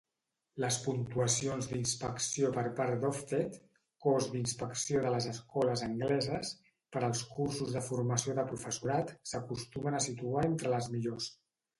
Les puntuacions d'inspecció per part d'Ofsted (cos d'inspecció de les escoles angleses) per als cursos de formació de professorat s'acostumen a situar entre les millors.